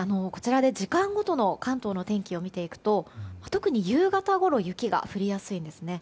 時間ごとの関東の天気を見ると特に夕方ごろ雪が降りやすいですね。